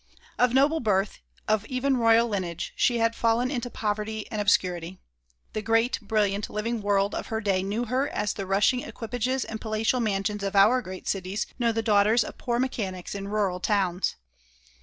Of noble birth, of even royal lineage, she had fallen into poverty and obscurity. The great, brilliant, living world of her day knew her as the rushing equipages and palatial mansions of our great cities know the daughters of poor mechanics in rural towns.